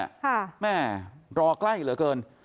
ค่ะแม่รอใกล้เหลือเกิน